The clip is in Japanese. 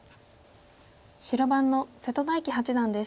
白番の瀬戸大樹八段です。